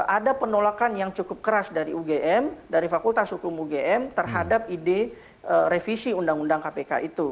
ada penolakan yang cukup keras dari ugm dari fakultas hukum ugm terhadap ide revisi undang undang kpk itu